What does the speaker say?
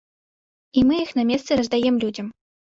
І мы іх на месцы раздаем людзям.